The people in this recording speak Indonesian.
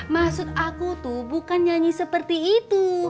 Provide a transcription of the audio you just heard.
maksud aku tuh bukan nyanyi seperti itu